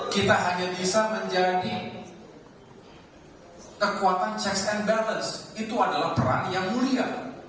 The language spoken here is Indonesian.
kita hanya bisa menjadi kekuatan checks and balance itu adalah peran yang mulia